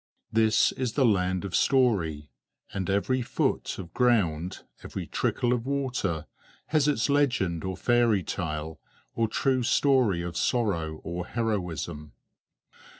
This is the land of story, and every foot of ground, every trickle of water, has its legend or fairy tale, or true story of sorrow or heroism.